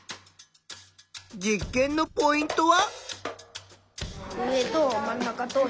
実験のポイントは？